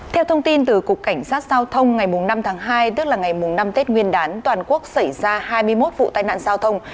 theo thông tin từ cục cảnh sát giao thông ngày năm tháng hai tức là ngày năm tết nguyên đán toàn quốc xảy ra hai mươi một vụ tai nạn giao thông